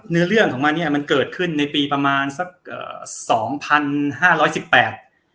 เนื้อเรื่องของมันเนี้ยมันเกิดขึ้นในปีประมาณสักเอ่อสองพันห้าร้อยสิบแปด